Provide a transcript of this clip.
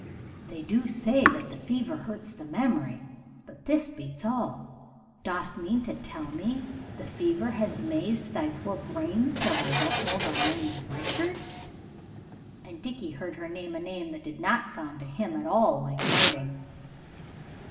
They do say that the fever hurts the memory, but this beats all. Dost mean to tell me the fever has mazed thy poor brains till thou don't know that thy name's Richard ?" And Dickie heard her name a name that did not sound to him at all like Harding.